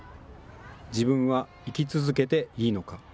自分は生き続けていいのか。